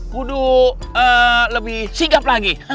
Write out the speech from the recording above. kudu lebih sigap lagi